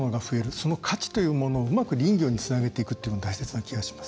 その価値というものをうまく林業につなげていくというのが大切な気がします。